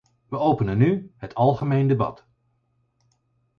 Wij openen nu het algemeen debat.